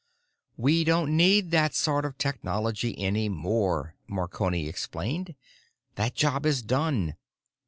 "We don't need that sort of technology any more," Marconi explained. "That job is done.